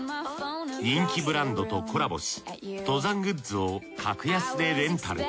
人気ブランドとコラボし登山グッズを格安でレンタル。